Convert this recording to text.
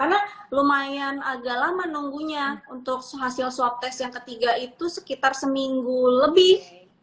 karena lumayan agak lama nunggunya untuk hasil swab test yang ketiga itu sekitar seminggu lebih